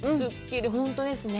本当ですね。